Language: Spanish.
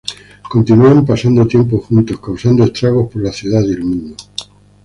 Continúan pasando tiempo juntos, causando estragos por la ciudad y el mundo.